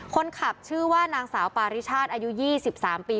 คนขับชื่อว่านางสาวปาฤิชาตรอายุยี่สิบสามปี